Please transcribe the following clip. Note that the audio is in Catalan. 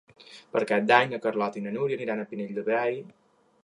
Per Cap d'Any na Carlota i na Núria aniran al Pinell de Brai.